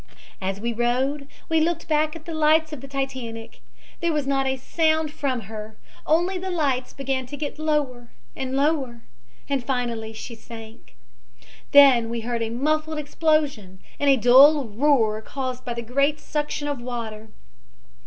"As we rowed we looked back at the lights of the Titanic. There was not a sound from her, only the lights began to get lower and lower, and finally she sank. Then we heard a muffled explosion and a dull roar caused by the great suction of water.